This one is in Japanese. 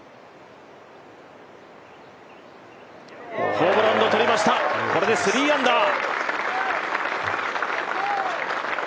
ホブランドとりました、これで３アンダー。